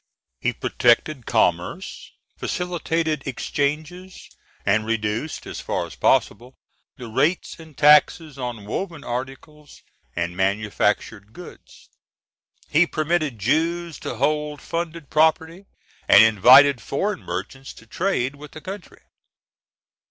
He protected commerce, facilitated exchanges, and reduced, as far as possible, the rates and taxes on woven articles and manufactured goods. He permitted Jews to hold funded property, and invited foreign merchants to trade with the country.